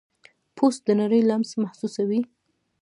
پوست د نړۍ لمس محسوسوي.